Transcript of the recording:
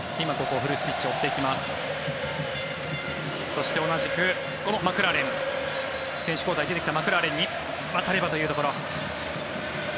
そして、同じくマクラーレン選手交代で出てきたマクラーレンに渡ればというところ。